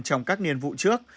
trong các niên vụ trước